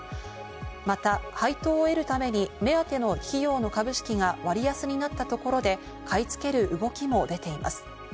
また配当を得るために目当ての企業の株式が割安になったところで買い付ける動きも出ています。